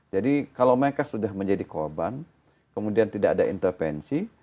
kalau mereka sudah menjadi korban kemudian tidak ada intervensi